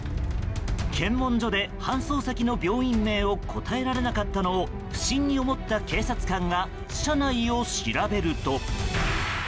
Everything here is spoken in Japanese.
検問所で搬送先の病院名を答えられなかったのを不審に思った警察官が車内を調べると。